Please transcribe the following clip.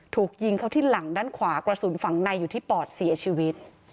ถูกยิงเขาที่หลังด้านขวากระสุนฝังในอยู่ที่ปอดเสียชีวิต